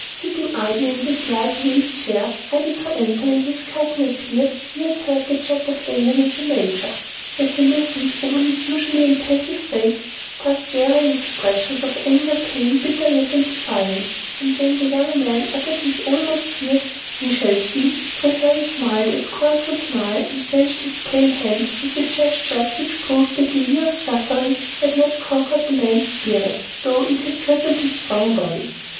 Sitting idly in his light, wheeled chair, ready to enter when his cousin appeared, he had heard the chat of Annon and the major. As he listened, over his usually impassive face passed varying expressions of anger, pain, bitterness, and defiance, and when the young man uttered his almost fierce "We shall see," Treherne smiled a scornful smile and clenched his pale hand with a gesture which proved that a year of suffering had not conquered the man's spirit, though it had crippled his strong body.